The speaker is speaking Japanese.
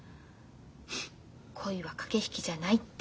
恋は駆け引きじゃないって。